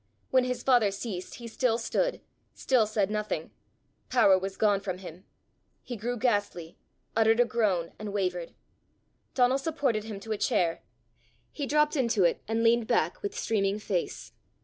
When his father ceased, he still stood, still said nothing: power was gone from him. He grew ghastly, uttered a groan, and wavered. Donal supported him to a chair; he dropped into it, and leaned back, with streaming face.